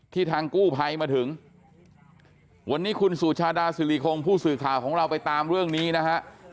ทางกู้ภัยมาถึงวันนี้คุณสุชาดาสิริคงผู้สื่อข่าวของเราไปตามเรื่องนี้นะฮะ